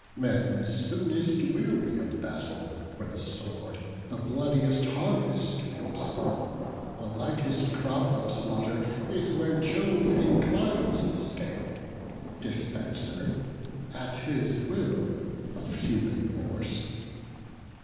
Men soonest weary of battle, where the sword The bloodiest harvest reaps; the lightest crop Of slaughter is where Jove inclines the scale, Dispenser, at his will, of human wars.